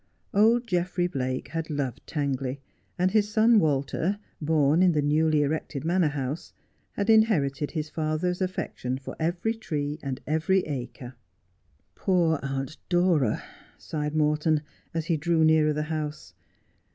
Old Geoffrey Blake had loved Tangley, and his son Walter, born in the newly erected manor house, had inherited his father's affection for every tree and every acre. ' Poor Aunt Dora !' sighed Morton, as he drew nearer the house.